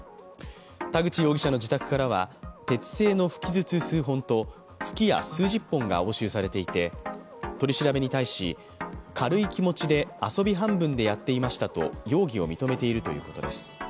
田口容疑者の自宅からは鉄製の吹き筒数本と吹き矢数十本が押収されていて取り調べに対し、軽い気持ちで遊び半分でやっていましたと容疑を認めているということです。